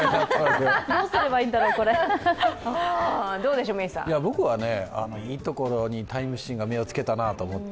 どうすればいいんだろう、これ僕はいいところに「タイム」誌が目をつけたなと思って。